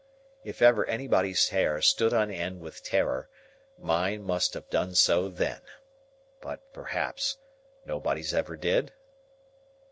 If ever anybody's hair stood on end with terror, mine must have done so then. But, perhaps, nobody's ever did?